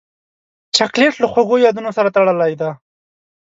چاکلېټ له خوږو یادونو سره تړلی دی.